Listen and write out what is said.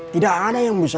tidak ada yang bisa